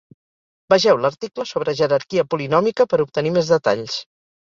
Vegeu l'article sobre jerarquia polinòmica per obtenir més detalls.